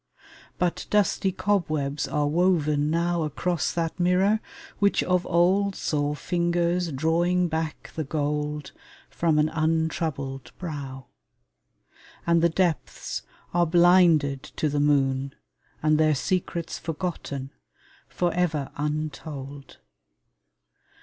But dusty cobwebs are woven now Across that mirror, which of old Saw fingers drawing back the gold From an untroubled brow; And the depths are blinded to the moon, And their secrets forgotten, for ever untold.